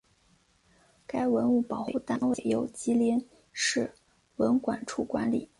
该文物保护单位由吉林市文管处管理。